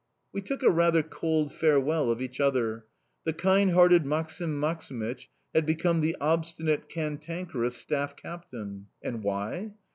We took a rather cold farewell of each other. The kind hearted Maksim Maksimych had become the obstinate, cantankerous staff captain! And why?